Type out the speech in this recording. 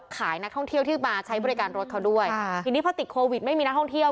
ขายนักท่องเที่ยวที่มาใช้บริการรถเขาด้วยทีนี้พอติดโควิดไม่มีนักท่องเที่ยว